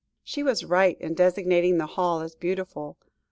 She was right in designating the hall as beautiful.